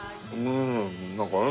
うん。